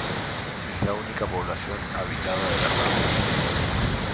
Es la única población habitada de la parroquia.